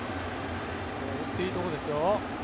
打っていいところですよ。